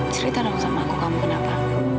cerita dong sama aku kamu kenapa